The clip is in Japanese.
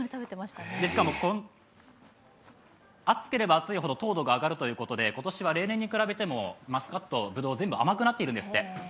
しかも、暑ければ暑いほど糖度が上がるということで今年は例年に比べてもマスカット、ぶどう全部甘くなってるんですって。